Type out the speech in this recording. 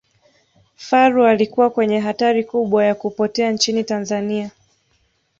faru alikuwa kwenye hatari kubwa ya kupotea nchini tanzania